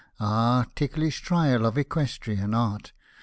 Ah, ticklish trial of equestrian art